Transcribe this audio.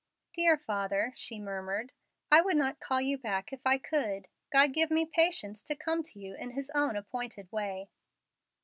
"Dear father," she murmured, "I would not call you back if I could. God give me patience to come to you in His own appointed way."